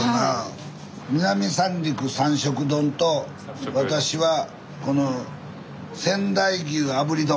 南三陸三色丼と私はこの仙台牛炙り丼。